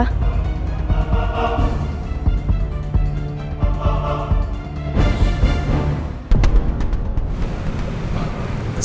bukan ini antingnya mama